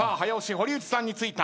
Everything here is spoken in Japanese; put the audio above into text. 堀内さんについた。